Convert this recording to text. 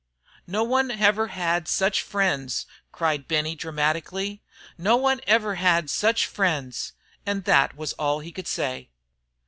"No one ever had such friends!" cried Benny, dramatically. "No one ever had such friends!" And that was all he could say.